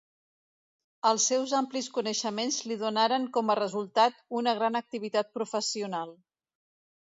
Els seus amplis coneixements li donaren com a resultat una gran activitat professional.